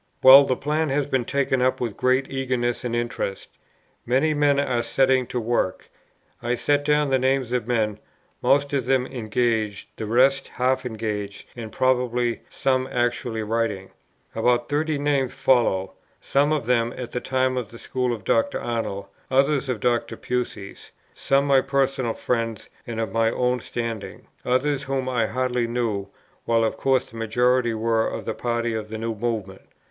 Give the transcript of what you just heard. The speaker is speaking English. "Well, the plan has been taken up with great eagerness and interest. Many men are setting to work. I set down the names of men, most of them engaged, the rest half engaged and probable, some actually writing." About thirty names follow, some of them at that time of the school of Dr. Arnold, others of Dr. Pusey's, some my personal friends and of my own standing, others whom I hardly knew, while of course the majority were of the party of the new Movement.